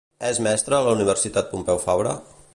És mestra a la Universitat Pompeu Fabra?